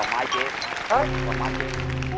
ฝอดพอเพราะขวานเจ๊ปลอดภัยเจ๊อืม